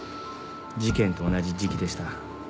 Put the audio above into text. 事件と同じ時期でした。